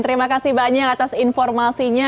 terima kasih banyak atas informasinya